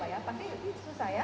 pak dik pak dik pak dik